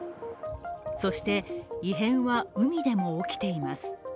そして異変は海でも起きています。